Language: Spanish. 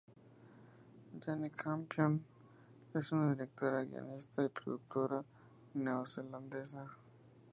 Jane Campion es una directora, guionista y productora neozelandesa.